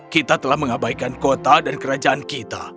kita telah mengabaikan kota dan kerajaan kita